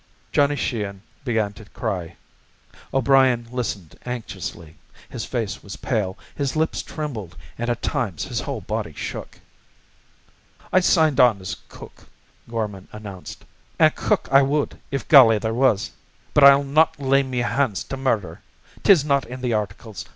Johnny Sheehan began to cry. O'Brien listened anxiously. His face was pale. His lips trembled, and at times his whole body shook. "I signed on as cook," Gorman enounced. "An' cook I wud if galley there was. But I'll not lay me hand to murder. 'Tis not in the articles.